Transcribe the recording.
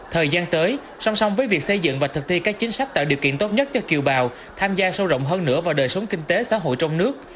thời gian tới song song với việc xây dựng và thực thi các chính sách tạo điều kiện tốt nhất cho kiều bào tham gia sâu rộng hơn nữa vào đời sống kinh tế xã hội trong nước